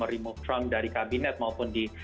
remove trump dari kabinet maupun di